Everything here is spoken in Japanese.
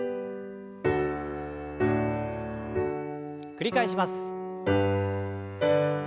繰り返します。